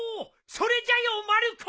それじゃよまる子。